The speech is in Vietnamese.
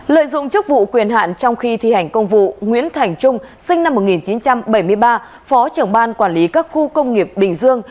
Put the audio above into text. lợi dụng chức vụ quyền hạn trong khi thi hành công vụ nguyễn thành trung sinh năm một nghìn chín trăm bảy mươi ba phó trưởng ban quản lý các khu công nghiệp bình dương